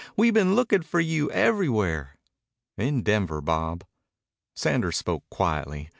We been lookin' for you everywhere." "In Denver, Bob." Sanders spoke quietly.